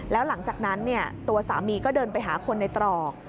แล้วหลังจากนั้นตัวสามีก็เดินไปหาคนในตรอก